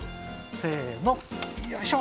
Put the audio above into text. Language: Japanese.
せのよいしょ！